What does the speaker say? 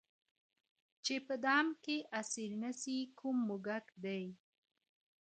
چي په دام كي اسير نه سي كوم موږك دئ